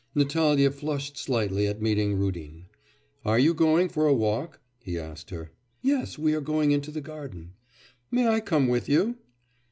Natalya flushed slightly at meeting Rudin. 'Are you going for a walk?' he asked her. 'Yes. We are going into the garden.' 'May I come with you?